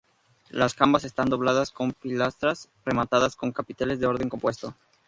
Las jambas están dobladas con pilastras rematadas con capiteles de orden compuesto.